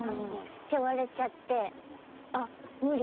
って言われちゃってあっ無理。